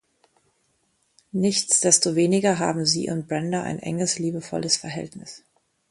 Nichtsdestoweniger haben sie und Brenda ein enges, liebevolles Verhältnis.